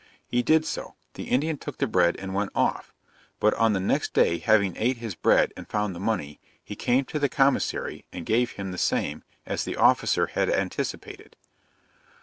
He did so. The Indian took the bread and went off: but on the next day having ate his bread and found the money, he came to the commissary and gave him the same, as the officer had anticipated.